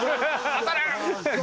当たれ！